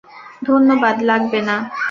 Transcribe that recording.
ধন্যবাদ, লাগবে না।